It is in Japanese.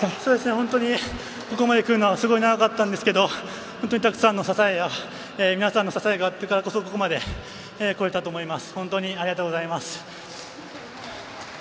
本当にここまでくるのはすごい長かったんですけどたくさんの支えや皆さんの支えがあったからここまでこれたと思います。